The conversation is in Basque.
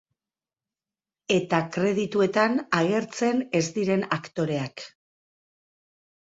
Eta kredituetan agertzen ez diren aktoreak.